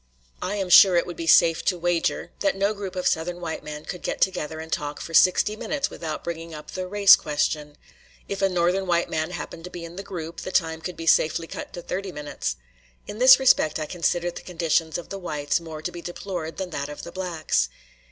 I am sure it would be safe to wager that no group of Southern white men could get together and talk for sixty minutes without bringing up the "race question." If a Northern white man happened to be in the group, the time could be safely cut to thirty minutes. In this respect I consider the conditions of the whites more to be deplored than that of the blacks.